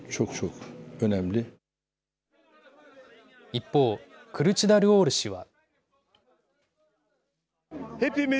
一方、クルチダルオール氏は。